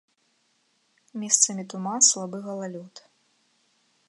Месцамі туман, слабы галалёд.